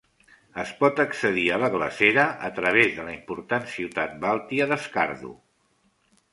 Es pot accedir a la glacera a través de la important ciutat bàltia d'Skardu.